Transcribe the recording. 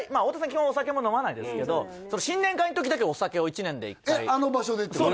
基本お酒も飲まないですけどその新年会の時だけお酒を１年で１回えっあの場所でってこと？